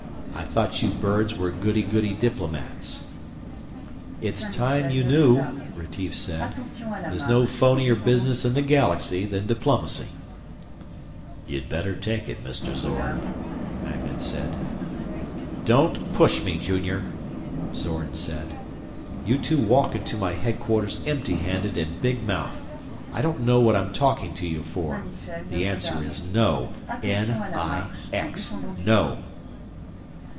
I thought you birds were goody goody diplomats." "It's time you knew," Retief said. "There's no phonier business in the Galaxy than diplomacy." "You'd better take it, Mr. Zorn," Magnan said. "Don't push me, Junior!" Zorn said. "You two walk into my headquarters empty handed and big mouthed. I don't know what I'm talking to you for. The answer is no. N I X, no!"